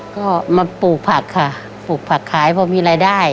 ก็มาปลูกผักค่ะปลูกผักขายพอมีรายได้